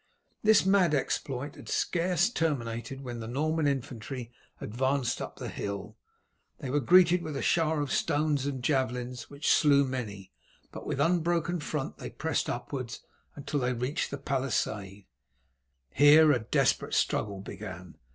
This mad exploit had scarce terminated when the Norman infantry advanced up the hill. They were greeted with a shower of stones and javelins, which slew many, but with unbroken front they pressed upwards until they reached the palisade. Here a desperate struggle began.